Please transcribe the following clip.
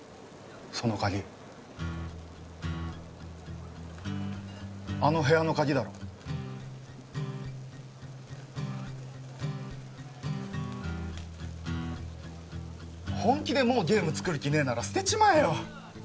その鍵あの部屋の鍵だろ本気でもうゲーム作る気ねえなら捨てちまえよ